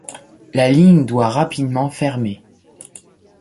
La ligne doit rapidement fermer.